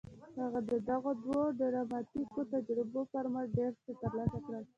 هغه د دغو دوو ډراماتيکو تجربو پر مټ ډېر څه ترلاسه کړل.